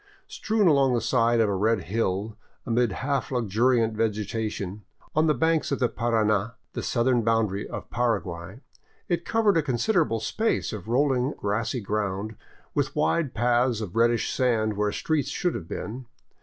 Strewn along the side of a red hill, amid half luxuriant vegetation, on the banks of the Parana, the southern boundary of Paraguay, it covered a considerable space of rolling, grassy ground, with wide paths of reddish sand where streets should have been.